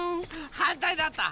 はんたいだった。